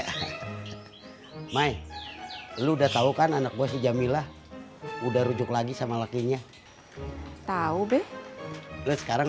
hai mai lu udah tahu kan anak gue si jamilah udah rujuk lagi sama lakinya tahu beh lu sekarang